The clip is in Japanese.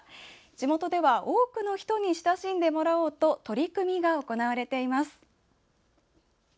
地元では多くの人に親しんでもらおうと取り組みが行われています。